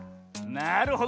なるほど。